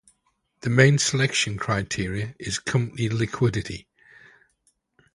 The main selection criterion is company's liquidity.